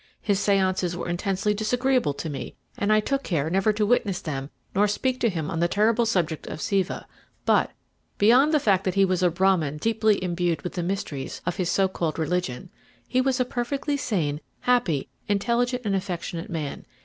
His séances were intensely disagreeable to me, and I took care never to witness them nor to speak to him on the terrible subject of Siva; but, beyond the fact that he was a Brahmin deeply imbued with the mysteries of his so called religion, he was a perfectly sane, happy, intelligent, and affectionate man.